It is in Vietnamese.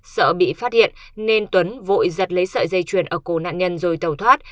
sợ bị phát hiện nên tuấn vội giật lấy sợi dây chuyền ở cổ nạn nhân rồi tàu thoát